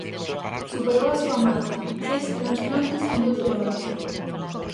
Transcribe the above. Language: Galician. Superou a súa marca: seis transplantes en doce horas.